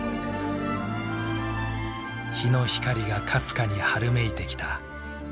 日の光がかすかに春めいてきた。